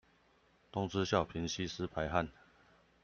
東施效顰，吸濕排汗